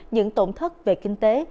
những tổn thất về kinh tế